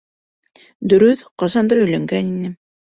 Дөрөҫ, ҡасандыр өйләнгән инем.